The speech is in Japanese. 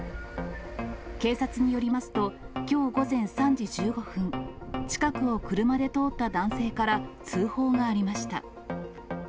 警察によりますと、きょう午前３時１５分、近くを車で通った男性から通報がありました。